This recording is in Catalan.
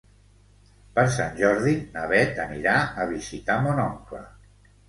Per Sant Jordi na Beth anirà a visitar mon oncle.